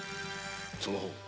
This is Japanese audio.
その方